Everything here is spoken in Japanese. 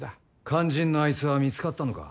肝心のあいつは見つかったのか？